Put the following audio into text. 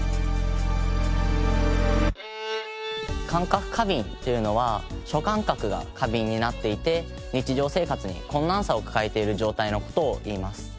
感覚過敏っていうのは諸感覚が過敏になっていて日常生活に困難さを抱えている状態の事をいいます。